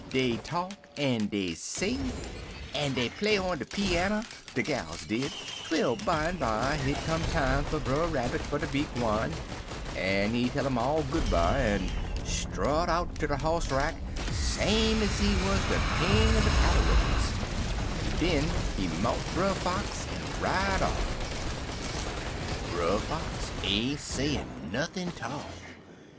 Dey talk, en dey sing, en dey play on de peanner, de gals did, twel bimeby hit come time fer Brer Rabbit fer to be gwine, en he tell um all good by, en strut out to de hoss rack same's ef he wuz de king er de patter rollers,*1 en den he mount Brer Fox en ride off. "Brer Fox ain't sayin' nuthin' 'tall.